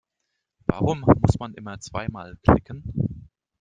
Warum muss man immer zweimal klicken?